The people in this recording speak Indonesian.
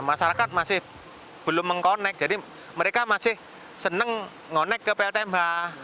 masyarakat masih belum mengkonek jadi mereka masih seneng ngonek ke pltmh